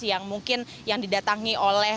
yang mungkin yang didatangi oleh